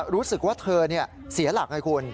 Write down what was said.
รู้สึกว่าเธอเสียหลักไงคุณ